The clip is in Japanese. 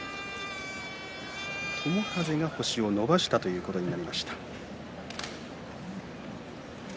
友風が星を伸ばしたということになりました。